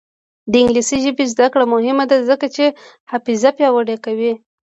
د انګلیسي ژبې زده کړه مهمه ده ځکه چې حافظه پیاوړې کوي.